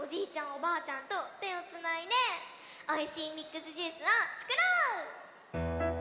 おばあちゃんとてをつないでおいしいミックスジュースをつくろう！